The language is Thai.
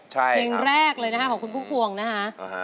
เพลงแรกเลยนะคะของคุณพุ่มพวงนะคะ